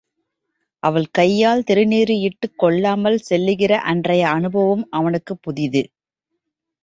அவள் கையால் திருநீறு இட்டுக் கொள்ளாமல் செல்லுகிற அன்றைய அனுபவம் அவனுக்குப் புதிது.